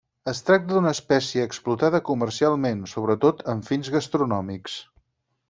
Es tracta d'una espècie explotada comercialment, sobretot amb fins gastronòmics.